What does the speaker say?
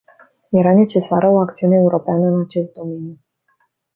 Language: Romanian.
Era necesară o acțiune europeană în acest domeniu.